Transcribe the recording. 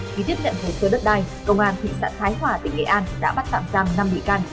trước khi xác nhận về xứ đất đai công an thị sản thái hòa tỉnh nghệ an đã bắt tạm giam năm bị can